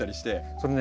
それね